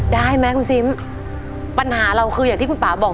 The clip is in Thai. ได้ไหมคุณซิมปัญหาเราคืออย่างที่คุณป่าบอก